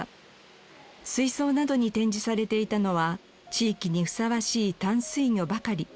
水槽などに展示されていたのは地域にふさわしい淡水魚ばかり。